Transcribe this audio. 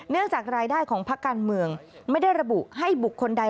จากรายได้ของพักการเมืองไม่ได้ระบุให้บุคคลใด